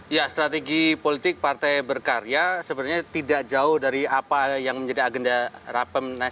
ya strategi politik partai berkarya sebenarnya tidak jauh dari apa yang menjadi agenda rapem